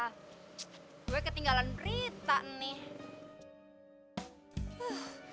gue ketinggalan berita nih